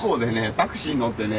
タクシー乗ってね